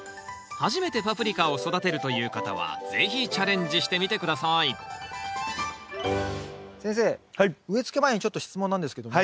初めてパプリカを育てるという方は是非チャレンジしてみて下さい先生植えつけ前にちょっと質問なんですけども。